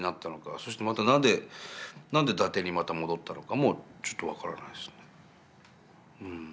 そしてまた何で何で伊達にまた戻ったのかもちょっと分からないですね。